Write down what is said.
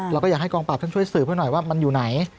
เราก็อยากให้กองปราบช่วยสื่อเพื่อนหน่อยว่ามันอยู่ไหน